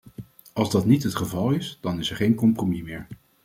Als dat niet het geval is, dan is er geen compromis meer.